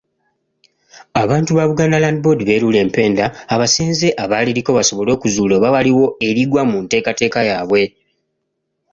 Abantu ba BLB beerula empenda abasenze abaliriko basobole okuzuula oba waliwo erigwa mu nteekateeka yaabwe.